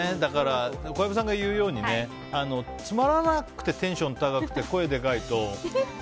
小籔さんが言うようにつまらなくてテンション高くて声でかいと。